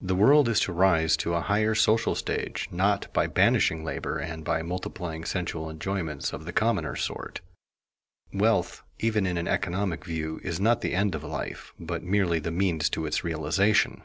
The world is to rise to a higher social stage not by banishing labor and by multiplying sensual enjoyments of the commoner sort. Wealth, even in an economic view, is not the end of life, but merely the means to its realization.